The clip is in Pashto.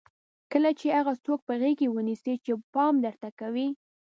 کله چې هغه څوک په غېږ ونیسئ چې پام درته کوي.